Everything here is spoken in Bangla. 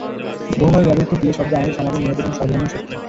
বহু ভাবে ব্যবহৃত বিয়ে শব্দ আমাদের সমাজের মেয়েদের জন্য সর্বজনীন সত্য।